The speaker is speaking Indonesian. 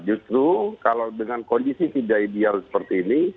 justru kalau dengan kondisi tidak ideal seperti ini